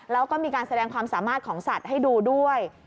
แล้วก็มีการแสดงความสามารถของสัตว์ให้ดูด้วย